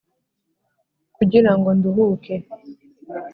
Kugira ngo nduhuke